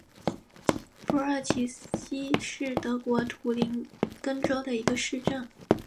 珀尔齐希是德国图林根州的一个市镇。